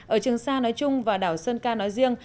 ở trường sa nói chung và đảo sơn ca nói riêng